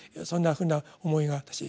そんなふうな思いが私